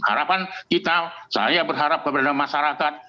harapan kita saya berharap kepada masyarakat